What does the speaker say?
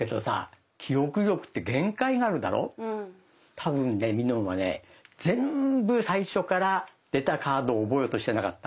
多分ねみのんはね全部最初から出たカードを覚えようとしてなかった？